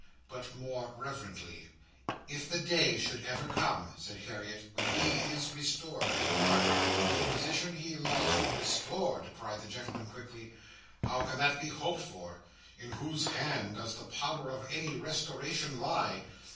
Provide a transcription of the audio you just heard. But more reverently. "If the day should ever come," said Harriet, "when he is restored, in part, to the position he lost—" "Restored!" cried the gentleman, quickly. "How can that be hoped for? In whose hands does the power of any restoration lie?